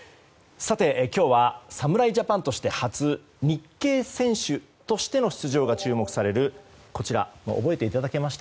今日は、侍ジャパンとして初日系選手としての出場が注目されるこちら、覚えていただけました？